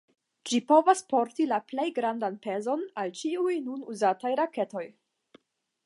Ĝi povas porti la plej grandan pezon el ĉiuj nun uzataj raketoj.